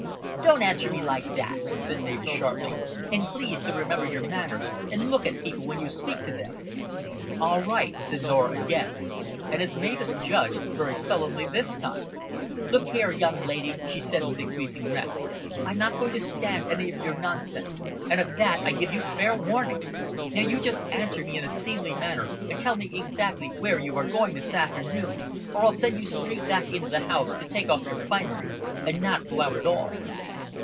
"Don't answer me like that," said Mavis sharply. "And please to remember your manners, and look at people when you speak to them." "All right," said Norah again, and, as Mavis judged, very sullenly this time. "Look you here, young lady," she said, with increasing warmth. "I'm not going to stand any of your nonsense and of that I give you fair warning. Now you just answer me in a seemly manner and tell me exactly where you are going this afternoon, or I'll send you straight back into the house to take off your finery and not go out at all."